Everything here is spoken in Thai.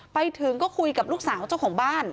ไปถึงก็คุยกับลูกสาวเจ้าของบ้าน